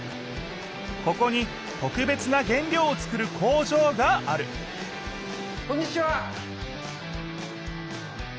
ここに特別な原料を作る工場があるこんにちは！